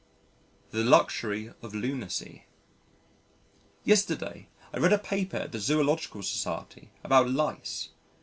The Luxury of Lunacy Yesterday, I read a paper at the Zoological Society about lice.